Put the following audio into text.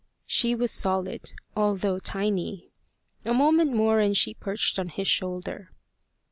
She was solid, although tiny. A moment more, and she perched on his shoulder.